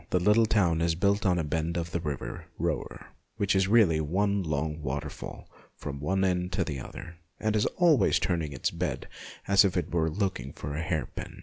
The little town is built on a bend of the river Roer, which is really one long waterfall from one end to the other, and is always turning in its bed as if it were looking for a hairpin.